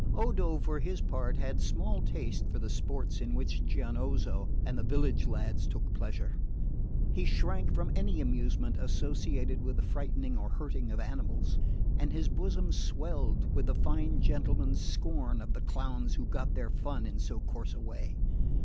Odo, for his part, had small taste for the sports in which Gianozzo and the village lads took pleasure. He shrank from any amusement associated with the frightening or hurting of animals, and his bosom swelled with the fine gentleman's scorn of the clowns who got their fun in so coarse a way.